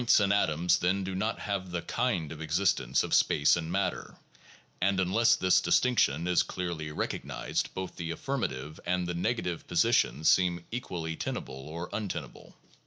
PSYCHOLOGY AND SCIENTIFIC METHODS 201 atoms, then, do not have the kind of existence of space and matter; and unless this distinction is clearly recognized, both the affirmative and the negative positions seem equally tenable or untenable.